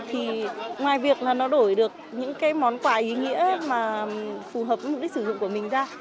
thì ngoài việc là nó đổi được những cái món quà ý nghĩa mà phù hợp với mục đích sử dụng của mình ra